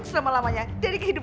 kaya berbunyi kedua